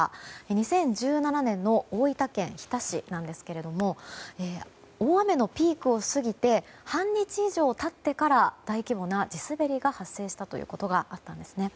２０１７年の大分県日田市ですが大雨のピークを過ぎて半日以上経ってから大規模な地滑りが発生したことがあったんですね。